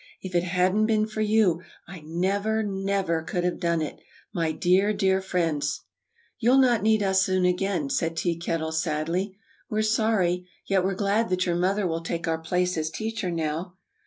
"If it hadn't been for you, I never, never could have done it, my dear, dear, friends." "You'll not need us soon again," said Tea Kettle, sadly. "We're sorry yet we're glad that your mother will take our place as teacher now."